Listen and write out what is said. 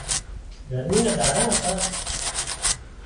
گرمي نا ۮاڙا هتا